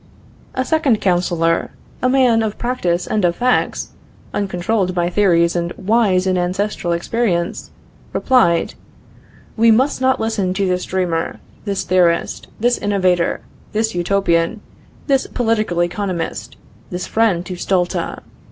A second counselor, a man of practice and of facts, uncontrolled by theories and wise in ancestral experience, replied: "We must not listen to this dreamer, this theorist, this innovator, this utopian, this political economist, this friend to Stulta.